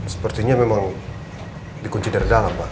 sepertinya memang dikunci dari dalam pak